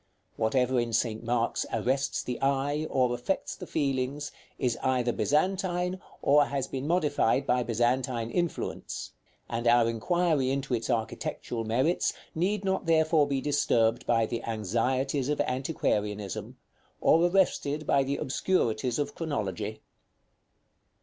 Whatever in St. Mark's arrests the eye, or affects the feelings, is either Byzantine, or has been modified by Byzantine influence; and our inquiry into its architectural merits need not therefore be disturbed by the anxieties of antiquarianism, or arrested by the obscurities of chronology.